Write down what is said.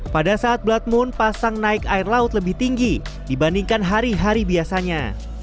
pada saat blood moon pasang naik air laut lebih tinggi dibandingkan hari hari biasanya